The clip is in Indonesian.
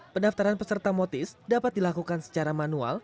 pendaftaran peserta motis dapat dilakukan secara manual